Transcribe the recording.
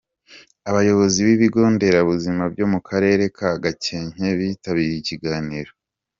Abayobozi b’ibigo nderabuzima byo mu karere ka Gakenke bitabiriye ikiganiro.